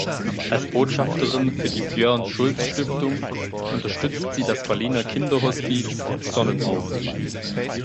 Als Botschafterin für die "Björn Schulz Stiftung" unterstützt sie das Berliner Kinderhospiz "Sonnenhof".